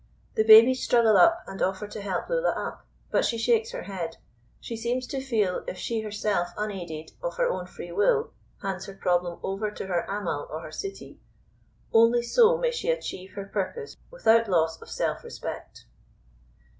The babies struggle up and offer to help Lulla up, but she shakes her head. She seems to feel if she herself unaided, of her own free will, hands her problem over to her Ammal or her Sittie, only so she may achieve her purpose without loss of self respect.